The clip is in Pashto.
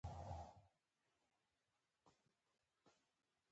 د سبو او تازه میوو خوراک د قبضیت مخنوی کوي.